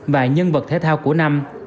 và nhân vật thể thao của năm